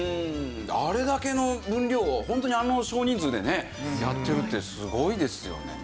あれだけの分量をホントにあの少人数でねやってるってすごいですよね。